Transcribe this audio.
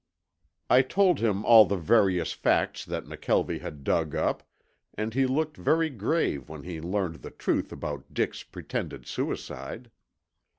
I told him all the various facts that McKelvie had dug up and he looked very grave when he learned the truth about Dick's pretended suicide.